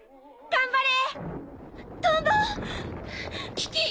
頑張れ！